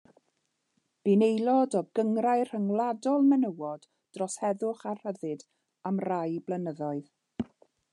Bu'n aelod o Gynghrair Ryngwladol Menywod dros Heddwch a Rhyddid am rai blynyddoedd.